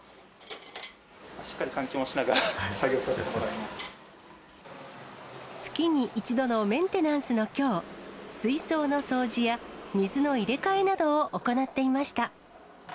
しっかり換気もしながら、月に１度のメンテナンスのきょう、水槽の掃除や、水の入れ替えなどを行っていました。